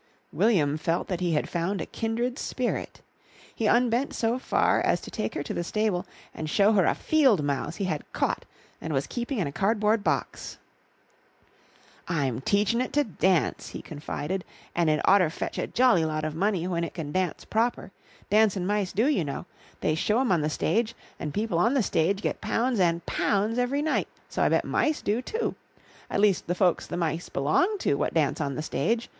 William felt that he had found a kindred spirit. He unbent so far as to take her to the stable and show her a field mouse he had caught and was keeping in a cardboard box. "I'm teachin' it to dance," he confided, "an' it oughter fetch a jolly lot of money when it can dance proper. Dancin' mice do, you know. They show 'em on the stage, and people on the stage get pounds an' pounds every night, so I bet mice do, too at least the folks the mice belong to what dance on the stage.